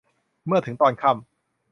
เมื่อถึงตอนค่ำ